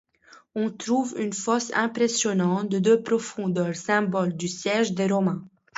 On y trouve une fosse impressionnante de de profondeur, symbole du siège des Romains.